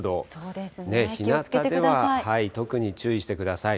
ひなたでは特に注意してください。